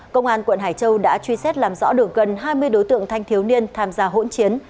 công an quận hải châu đã truy xét làm rõ được gần hai mươi đối tượng thanh thiếu niên tham gia hỗn chiến